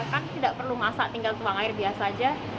kan tidak perlu masak tinggal tuang air biasa aja